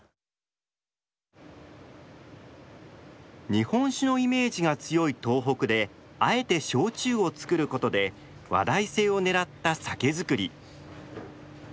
日本酒のイメージが強い東北であえて焼酎を造ることで話題性をねらった酒造り。